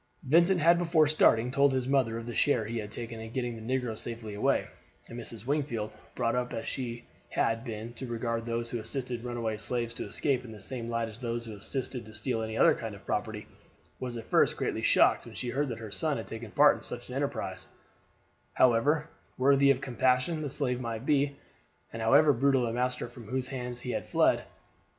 Vincent had before starting told his mother of the share he had taken in getting the negro safely away, and Mrs. Wingfield, brought up as she had been to regard those who assisted runaway slaves to escape in the same light as those who assisted to steal any other kind of property, was at first greatly shocked when she heard that her son had taken part in such an enterprise, however worthy of compassion the slave might be, and however brutal the master from whose hands he had fled.